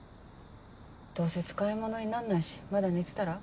どうせ使いものになんないしまだ寝てたら？